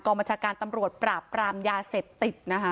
บัญชาการตำรวจปราบปรามยาเสพติดนะคะ